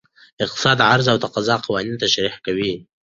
اقتصاد د عرضه او تقاضا قوانین تشریح کوي.